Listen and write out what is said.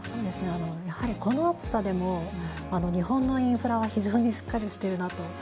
やはりこの暑さでも、日本のインフラは非常にしっかりしているなと。